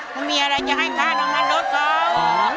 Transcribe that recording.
ไม่มีอะไรจะให้ค่าน้ำมันนกเขา